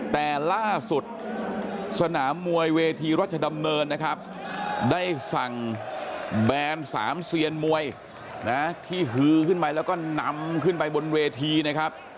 แต่ล่าสุดสนามมวยเวทีรัชดำเนินนะครับได้สั่งแบรนด์สามเซียนมวยนะที่ฮือขึ้นไปแล้วก็นำขึ้นไปบนเวทีนะครับ